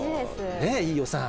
ねぇ飯尾さん。